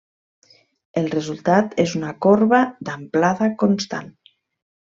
El resultat és una corba d'amplada constant.